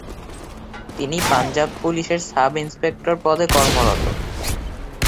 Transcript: তিনি পাঞ্জাব পুলিশের সাব-ইন্সপেক্টর পদে কর্মরত।